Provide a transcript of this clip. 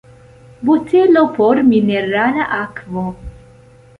Botelo por minerala akvo.